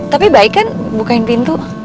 tapi baik kan bukain pintu